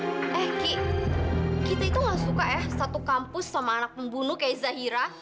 eh ki kita itu gak suka ya satu kampus sama anak pembunuh kayak zahira